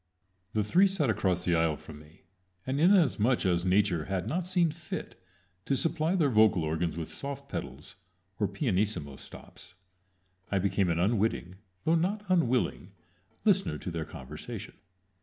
The three sat across the aisle from me, and inasmuch as Nature had not seen fit to supply their vocal organs with soft pedals, or pianissimo stops, I became an unwitting, though not unwilling, listener to their conversation.